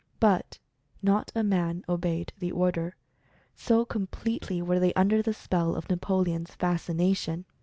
But not a man obeyed the order, so completely were they under the spell of Napoleon's fascination.